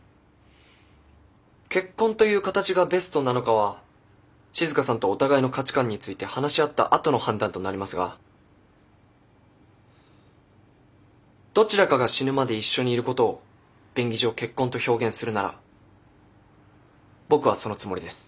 結婚という形がベストなのかは静さんとお互いの価値観について話し合ったあとの判断となりますがどちらかが死ぬまで一緒にいることを便宜上結婚と表現するなら僕はそのつもりです。